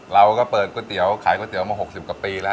เราก็เปิดก๋วยเตี๋ยวขายก๋วยเตี๋มา๖๐กว่าปีแล้ว